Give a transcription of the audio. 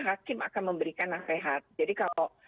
hakim akan memberikan nasihat jadi kalau